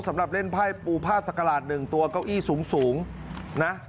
สำหรับเล่นไพ่ปูผ้าสักกระหลาด๑ตัวเก้าอี้สูงนะ